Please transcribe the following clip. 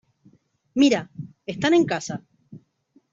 ¡ Mira! Están en casa.